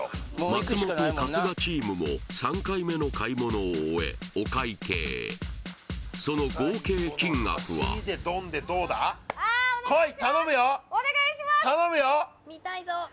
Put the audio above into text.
松本春日チームも３回目の買い物を終えお会計へその合計金額はうんこいよーし！